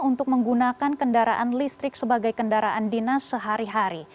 untuk menggunakan kendaraan listrik sebagai kendaraan dinas sehari hari